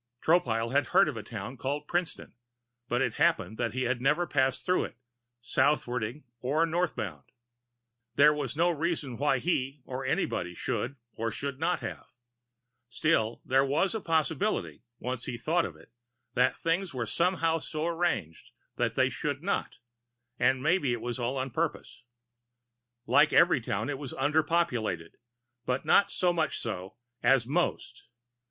Tropile had heard of a town called Princeton, but it happened that he had never passed through it southwarding or northbound. There was no reason why he or anybody should or should not have. Still, there was a possibility, once he thought of it, that things were somehow so arranged that they should not; maybe it was all on purpose. Like every town, it was underpopulated, but not so much so as most.